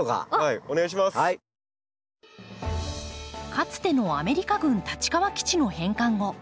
かつてのアメリカ軍立川基地の返還後